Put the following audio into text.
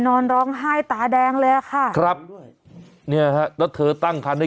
นอนร้องไห้ตาแดงเลยอ่ะค่ะครับเนี่ยฮะแล้วเธอตั้งคันให้